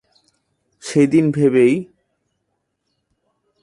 সেইদিন ভোরেই আমি সফিককে নিয়ে ঢাকায় চলে এলাম।